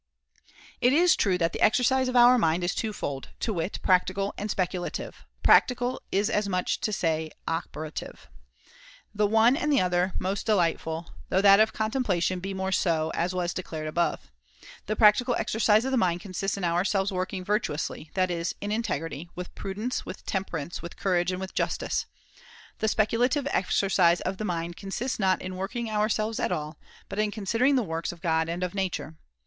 It is true that the exercise of our mind is two fold, to wit, practical and speculative (practical is as much as to say operative) ; the one and the other most delightful, though that of contempla tion be more so, as was declared above. The practical exercise of the mind consists in our selves working virtuously, that is, in integrity, [no] with prudence, with temperance, with courage, and with justice. The speculative exercise of the mind consists not in working our selves at all, but in considering the works of God and of nature.